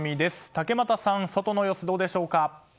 竹俣さん外の様子はどうでしょうか。